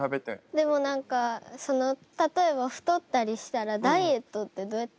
でも何か例えば太ったりしたらダイエットってどうやって？